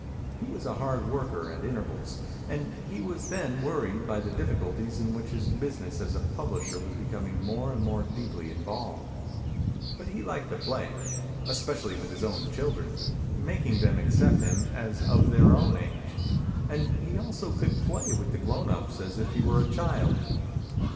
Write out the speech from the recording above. He was a hard worker at intervals; and he was then worried by the difficulties in which his business as a publisher was becoming more and more deeply involved. But he liked to play, especially with his own children, making them accept him as of their own age; and he also could play with the grown ups as if he were a child.